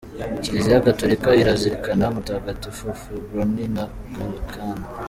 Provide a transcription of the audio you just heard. Kiliziya gatolika irazirikana mutagatifu Fébronie na Gallican.